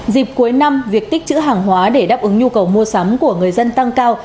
dịp cuối năm việc tích chữ hàng hóa để đáp ứng nhu cầu mua sắm của người dân tăng cao